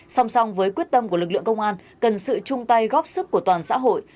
song song với quyết tâm của lực lượng công an cần sự chung tay góp sức của toàn xã hội